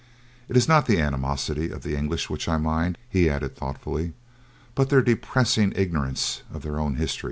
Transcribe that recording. It is not the animosity of the English which I mind," he added, thoughtfully, "but their depressing ignorance of their own history."